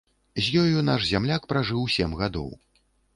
З ёю наш зямляк пражыў сем гадоў.